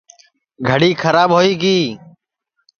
گھڑی کھراب ہوئی گی